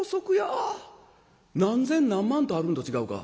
何千何万とあるんと違うか。